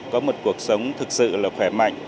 có một cuộc sống thật sự là khỏe mạnh